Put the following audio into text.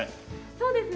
そうですね。